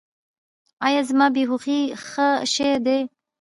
ایا زما بې هوښي به ښه شي؟